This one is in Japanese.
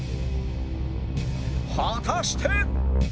果たして？